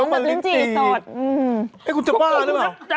เออก็เหมือนลิ้นจี่เอ้ยคุณจะบ้าหรือเปล่า